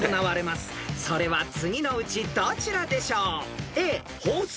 ［それは次のうちどちらでしょう？］